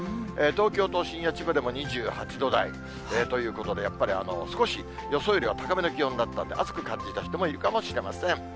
東京都心や千葉でも２８度台ということで、やっぱり少し予想よりは高めの気温になったんで、暑く感じた人もいるかもしれません。